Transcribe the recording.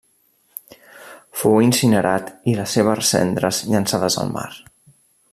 Fou incinerat i les seves cendres llançades al mar.